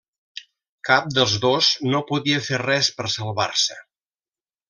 Cap dels dos no podia fer res per salvar-se.